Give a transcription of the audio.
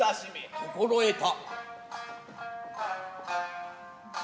心得た。